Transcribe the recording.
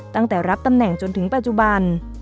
ตั้งแต่รับตำแหน่งจนถึงปัจจุบัน